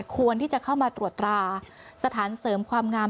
ควรที่จะเข้ามาตรวจตราสถานเสริมความงาม